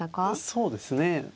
そうですね。